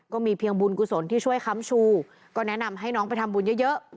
เพียงบุญกุศลที่ช่วยค้ำชูก็แนะนำให้น้องไปทำบุญเยอะ